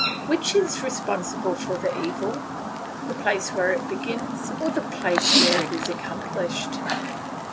Which is responsible for the evil the place where it begins, or the place where it is accomplished?